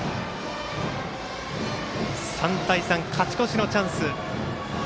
３対３、勝ち越しのチャンス。